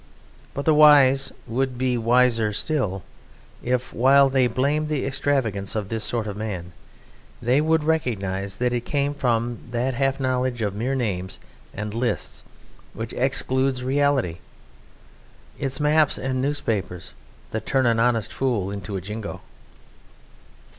But the wise would be wiser still if, while they blamed the extravagance of this sort of man, they would recognize that it came from that half knowledge of mere names and lists which excludes reality. It is maps and newspapers that turn an honest fool into a jingo.